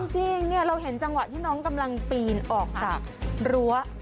จริงเราเห็นจังหวะที่น้องกำลังปีนออกจากรั้ว